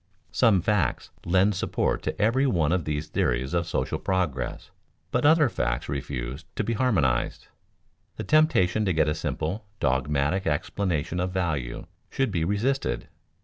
Some facts lend support to every one of these theories of social progress, but other facts refuse to be harmonized. The temptation to get a simple, dogmatic explanation of value should be resisted.